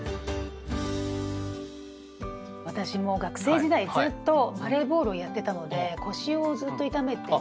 私もう学生時代ずっとバレーボールをやってたので腰をずっと痛めてて。